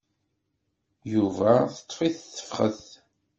Yuba teṭṭef-it tefxet.